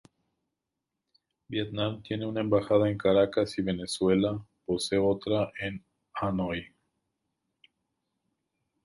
Vietnam tiene una embajada en Caracas y Venezuela posee otra en Hanoi.